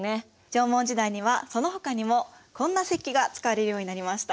縄文時代にはそのほかにもこんな石器が使われるようになりました。